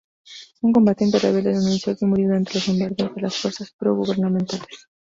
Un combatiente rebelde denunció que murió durante los bombardeos de las fuerzas pro-gubernamentales.